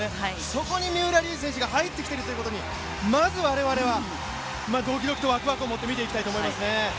そこに三浦龍司選手が入ってきているということに、我々はドキドキとワクワクをもって見ていきたいですね。